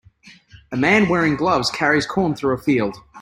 A man wearing gloves carries corn through a field.